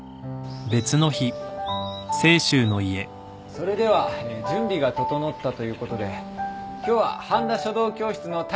それでは準備が整ったということで今日は半田書道教室の体験授業を行います。